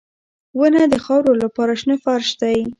• ونه د خاورو لپاره شنه فرش دی.